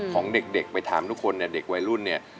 ของเด็กไปถามทุกคนเนี่ยเด็กวัยรุ่นเนี่ย